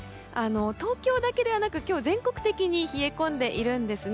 東京だけではなく、今日全国的に冷え込んでいるんですね。